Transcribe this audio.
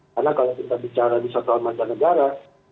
karena kalau kita bicara di sektor mancanegara